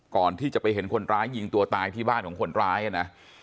ก่อนที่จะไปเห็นคนร้ายยิงตัวตายที่บ้านของคนร้ายนะ